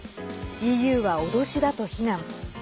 ＥＵは脅しだと非難。